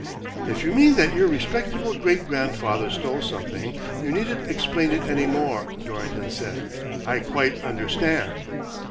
" If you mean that your respectable great grandfather stole something, you needn't explain it any more," Dorrington said. " I quite under stand."